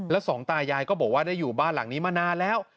แล้วสองตายายก็บอกว่าได้อยู่บ้านหลังนี้มานานแล้ว